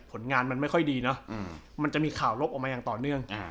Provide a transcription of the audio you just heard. ผลงานมันไม่ค่อยดีเนอะมันจะมีข่าวลบออกมาอย่างต่อเนื่อง